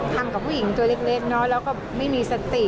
ทำกับผู้หญิงตัวเล็กน้อยแล้วก็ไม่มีสติ